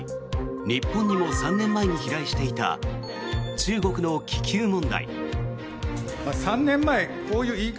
日本にも３年前に飛来していた中国の気球問題。